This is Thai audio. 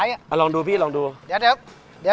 ไม่ต้องใช้